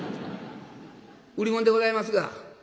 売り物でございますが」。